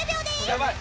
やばい！